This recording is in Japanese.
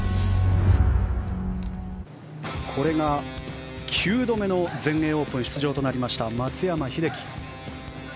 これが、９度目の全英オープン出場となった松山英樹。